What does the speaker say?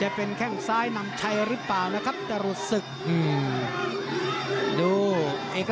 มาถึงตรงนี้มั่นใจทั้งคู่แล้ว